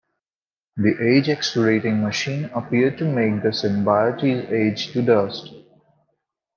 The age-accelerating machine appeared to make the symbiotes age to dust.